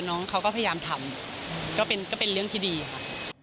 น้องเขาก็พยายามทำก็เป็นเรื่องที่ดีค่ะ